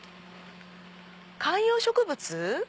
観葉植物？